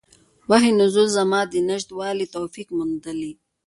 وحي نزول زمان نژدې والی توفیق موندلي.